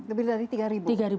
lebih dari tiga ribu